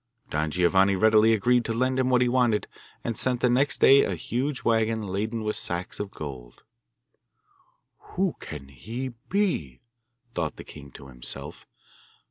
Don Giovanni readily agreed to lend him what he wanted, and sent next day a huge waggon laden with sacks of gold. 'Who can he be?' thought the king to himself.